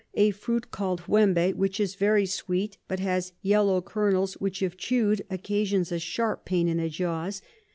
A Fruit call'd Guembe, which is very sweet, but has yellow Kernels, which if chew'd, occasions a sharp Pain in the Jaws.